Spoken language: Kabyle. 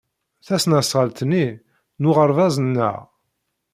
Tasnasɣalt-nni n uɣerbaz-nneɣ.